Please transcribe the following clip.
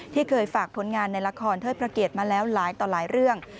ที่เคยฝากผลงานในละครเทิดพระเกียรติมาแล้วหลายต่อหลายเรื่อง